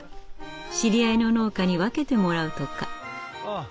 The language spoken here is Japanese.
知り合いの農家に分けてもらうとか。